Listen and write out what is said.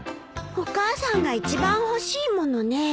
お母さんが一番欲しいものねえ。